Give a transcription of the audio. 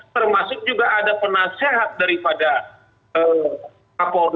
termasuk juga ada penasehat daripada kapolri